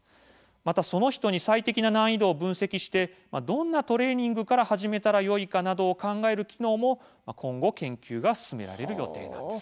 また、その人に最適な難易度を分析してどんなトレーニングから始めたらよいかなどを考える機能も今後、研究が進められるそうです。